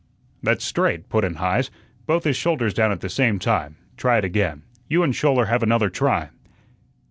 "That's straight," put in Heise, "both his shoulders down at the same time. Try it again. You and Schouler have another try."